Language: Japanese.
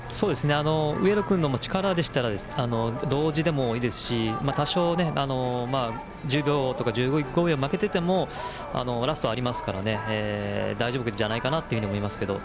上野君の力でしたら同時でもいいですし多少１０秒とか１５秒負けててもラストがありますから大丈夫じゃないかと思います。